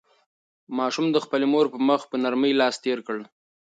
ماشوم د خپلې مور په مخ په نرمۍ لاس تېر کړ.